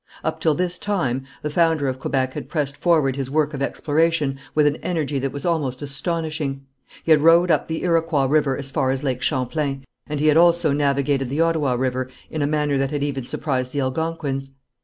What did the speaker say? Up till this time the founder of Quebec had pressed forward his work of exploration with an energy that was almost astonishing. He had rowed up the Iroquois River as far as lake Champlain, and he had also navigated the Ottawa River in a manner that had even surprised the Algonquins.